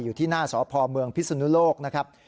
อยู่ที่หน้าสพเมืองพิศนุโลกนะครับ